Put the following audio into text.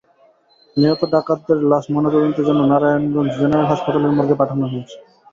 নিহত ডাকাতদের লাশ ময়নাতদন্তের জন্য নারায়ণগঞ্জ জেনারেল হাসপাতালের মর্গে পাঠানো হয়েছে।